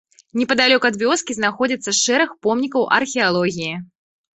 Непадалёк ад вёскі знаходзяцца шэраг помнікаў археалогіі.